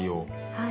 はい。